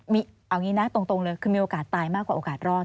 เอาอย่างนี้นะตรงเลยคือมีโอกาสตายมากกว่าโอกาสรอด